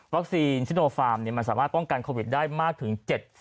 ซิโนฟาร์มมันสามารถป้องกันโควิดได้มากถึง๗๐